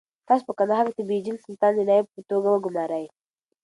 تاسو په کندهار کې بېجن سلطان د نایب په توګه وګمارئ.